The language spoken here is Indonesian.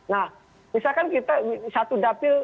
nah misalkan kita satu dapil